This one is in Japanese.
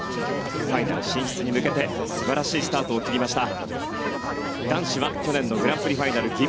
ファイナル進出に向けて素晴らしいスタートを切りました。